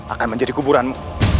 akan menjadi kuburanmu